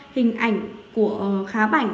hình ảnh của khá bảnh